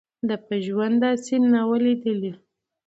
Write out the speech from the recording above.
ده په ژوند داسي دانه نه وه لیدلې